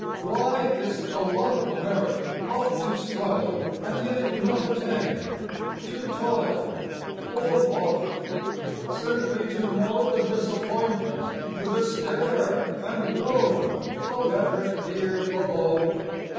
Why is 't the lot Of merit oft to struggle and yet not Attain? to toil for what? Simply to know The disappointment, the despair and woe Of effort here below?